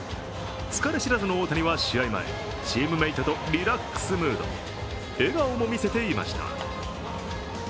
疲れ知らずの大谷は試合前、チームメイトとリラックスムード笑顔も見せていました。